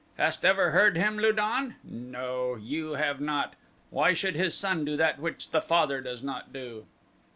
Hast ever heard him Lu don? No, you have not. Why should his son do that which the father does not do?"